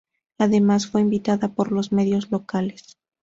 Además fue invitada por los medios locales.